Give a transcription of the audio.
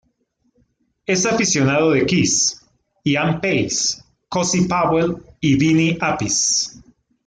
Es aficionado de Kiss, Ian Paice, Cozy Powell y Vinny Appice.